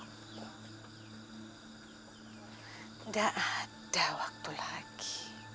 nggak ada waktu lagi